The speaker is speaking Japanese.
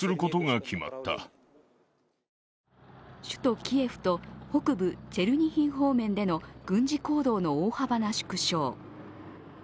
首都キエフと北部チェルニヒフ方面での軍事行動の大幅な縮小。